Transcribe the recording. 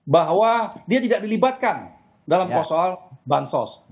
bahwa dia tidak dilibatkan dalam soal bansos